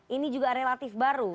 ini juga relatif baru